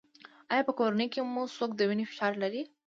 ایا په کورنۍ کې مو څوک د وینې فشار لري؟